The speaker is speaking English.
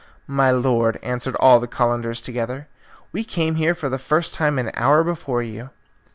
"My lord," answered all the Calenders together, "we came here for the first time an hour before you."